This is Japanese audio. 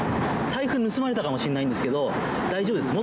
財布盗まれたかもしれないんですけど大丈夫です？